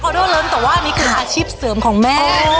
เอาได้วะเลินแต่ว่านี่คืออาชีพเสริมของแม่